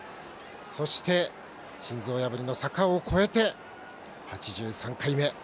そして、心臓破りの坂を越えて８３回目。